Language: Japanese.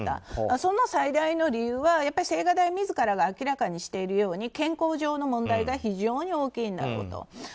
その最大の理由は青瓦台自らが明らかにしているように健康上の問題が非常に大きいんだと。